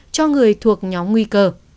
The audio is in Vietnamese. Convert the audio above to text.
cho người thuộc nhóm nguy cơ